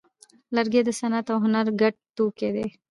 لرګی د صنعت او هنر ګډ توکی دی.